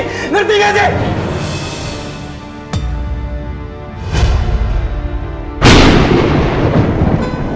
saya keras mu dikit silam